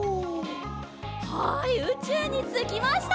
はいうちゅうにつきました！